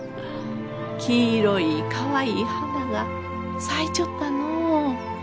黄色いかわいい花が咲いちょったのう。